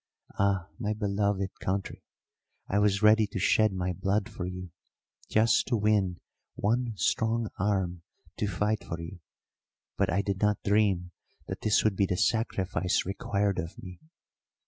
Ah, my beloved country, I was ready to shed my blood for you just to win one strong arm to fight for you, but I did not dream that this would be the sacrifice required of me.